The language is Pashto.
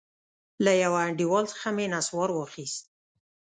له يوه انډيوال څخه مې نسوار واخيست.